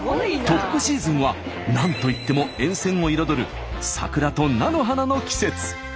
トップシーズンは何といっても沿線を彩る桜と菜の花の季節。